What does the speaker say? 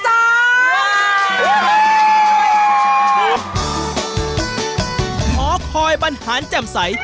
ขอคอยบรรหารแจ่มใส